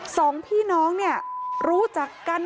สองพี่น้องเนี่ยรู้จักกัน